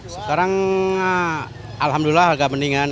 sekarang alhamdulillah agak mendingan